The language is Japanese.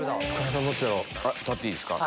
立っていいですか？